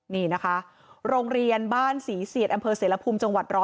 นี่นะคะโรงเรียนบ้านศรีเสียจอำเภอเสระพุม